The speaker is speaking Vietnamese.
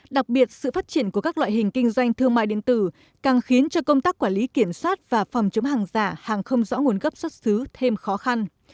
đặc biệt sự phát triển của các loại hình kinh doanh thương mại điện tử càng khiến cho công tác quản lý kiểm soát và phòng chống hàng giả hàng không rõ nguồn gốc xuất xứ thêm khó khăn